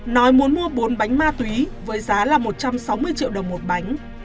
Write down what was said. nói muốn mua bốn bánh ma túy với giá là một trăm sáu mươi triệu đồng một bánh